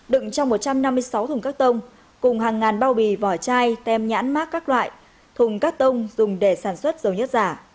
đựng trong một trăm năm mươi sáu thùng các tông cùng hàng ngàn bao bì vỏ chai tem nhãn mát các loại thùng cắt tông dùng để sản xuất dầu nhất giả